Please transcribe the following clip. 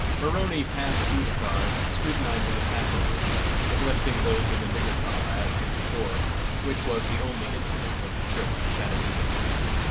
Maroney passed through the cars, scrutinizing the passengers, neglecting those in the "nigger car," as heretofore, which was the only incident of the trip to Chattanooga.